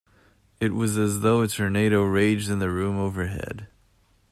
It was as though a tornado raged in the room overhead.